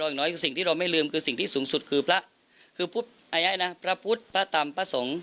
อย่างน้อยสิ่งที่เราไม่ลืมคือสิ่งที่สูงสุดคือพระพุทธพระตำพระสงฆ์